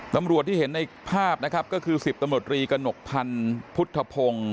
ตำรวจที่เห็นในภาพนะครับก็คือ๑๐ตำรวจรีกระหนกพันธ์พุทธพงศ์